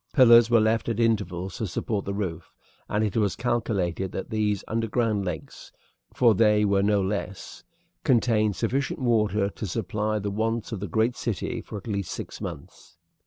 Pillars were left at intervals to support the roof, and it was calculated that these underground lakes for they were no less contained sufficient water to supply the wants of the great city for at least six months.